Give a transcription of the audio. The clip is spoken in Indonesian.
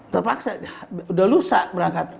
terpaksa udah lusa berangkat